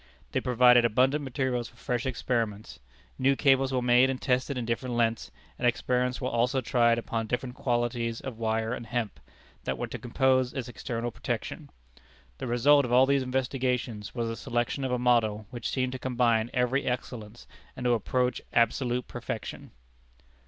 They provided abundant materials for fresh experiments. New cables were made and tested in different lengths; and experiments were also tried upon different qualities of wire and hemp, that were to compose its external protection. The result of all these investigations was the selection of a model which seemed to combine every excellence, and to approach absolute perfection.